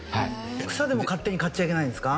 草でも勝手に刈っちゃいけないんですか？